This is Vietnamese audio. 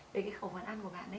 về cái khẩu phần ăn của bạn ấy